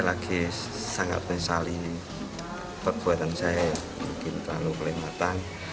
saya lagi sangat menyesali perbuatan saya mungkin terlalu kelengatan